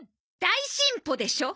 大進歩でしょ。